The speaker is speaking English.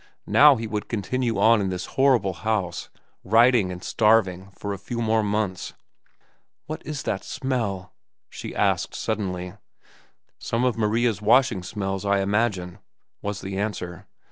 Now he would continue on in this horrible house, writing and starving for a few more months. "What is that smell?" she asked suddenly. "Some of Maria's washing smells, I imagine," was the answer.